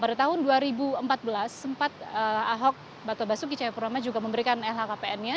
pada tahun dua ribu empat belas sempat ahok atau basuki cahayapurnama juga memberikan lhkpn nya